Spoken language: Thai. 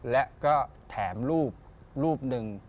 และก็แถมรูปรูปหนึ่ง